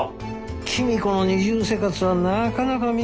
公子の二重生活はなかなか見事なもんでした。